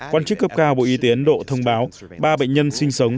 quan chức cấp cao bộ y tế ấn độ thông báo ba bệnh nhân sinh sống